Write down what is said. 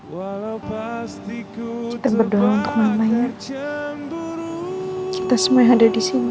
walau pasti ku tepat terjemur